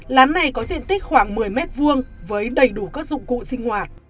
lán này có diện tích khoảng một mươi m hai với đầy đủ các dụng cụ sinh hoạt